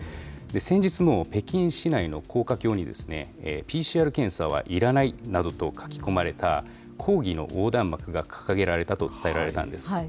先日も、北京市内の高架橋に、ＰＣＲ検査はいらないなどと書き込まれた、抗議の横断幕が掲げられたと伝えられたんです。